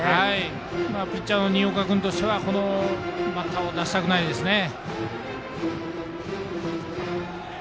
ピッチャーの新岡君としてはバッターを出したくないですね。